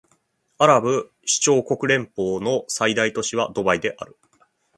アラブ首長国連邦の最大都市はドバイである